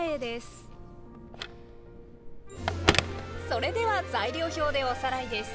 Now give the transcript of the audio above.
それでは材料表でおさらいです。